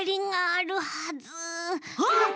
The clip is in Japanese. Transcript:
あっ！